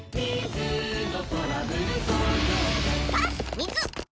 水！